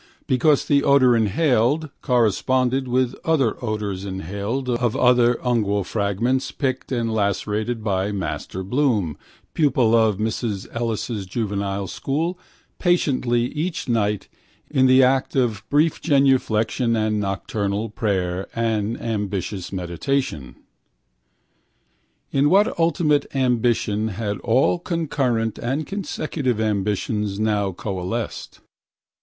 Because the odour inhaled corresponded to other odours inhaled of other ungual fragments, picked and lacerated by Master Bloom, pupil of Mrs Ellis's juvenile school, patiently each night in the act of brief genuflection and nocturnal prayer and ambitious meditation. In what ultimate ambition had all concurrent and consecutive ambitions now coalesced?